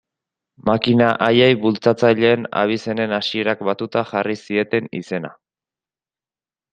Makina haiei bultzatzaileen abizenen hasierak batuta jarri zieten izena.